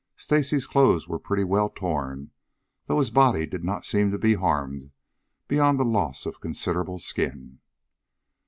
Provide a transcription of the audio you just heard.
Stacy's clothes were pretty well torn, though his body did not seem to be harmed beyond the loss of considerable skin.